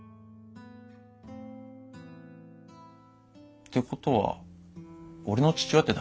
ってことは俺の父親って誰？